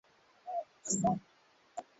Na Kuomintang walikimbilia kisiwa cha Taiwan